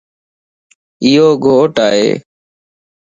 ايو گھوٽ ائي